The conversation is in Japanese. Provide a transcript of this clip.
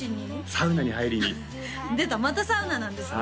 サウナに入りに出たまたサウナなんですね